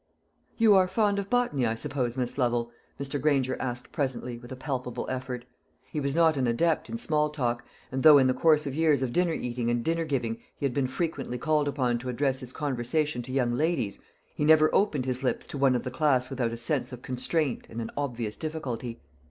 "You are fond of botany, I suppose, Miss Lovel?" Mr. Granger asked presently, with a palpable effort. He was not an adept in small talk, and though in the course of years of dinner eating and dinner giving he had been frequently called upon to address his conversation to young ladies, he never opened his lips to one of the class without a sense of constraint and an obvious difficulty.